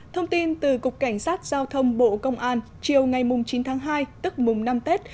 thông tin từ cục cảnh sát giao thông bộ công an chiều ngày chín tháng hai tức mùng năm tết